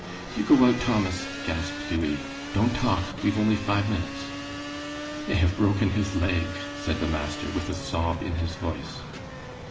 "You go out, Thomas," gasped Hughie. "Don't talk. We've only five minutes." "They have broken his leg," said the master, with a sob in his voice.